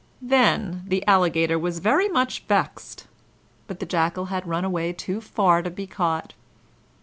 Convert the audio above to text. Then the Alligator was very much vexed, but the Jackal had run away too far to be caught.